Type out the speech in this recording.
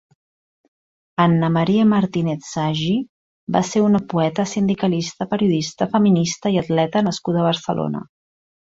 Anna Maria Martínez Sagi va ser una poeta, sindicalista, periodista, feminista i atleta nascuda a Barcelona.